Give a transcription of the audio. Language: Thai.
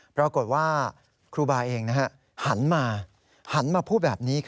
ปรากฏว่าครูบาเองหันมาหันมาพูดแบบนี้